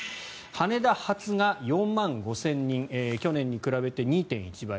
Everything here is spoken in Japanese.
羽田発が４万５０００人去年に比べて２．１倍。